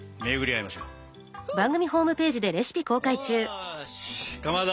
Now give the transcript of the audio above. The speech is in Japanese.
よしかまど